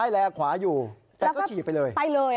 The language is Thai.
แต่ก็ขี่ไปเลย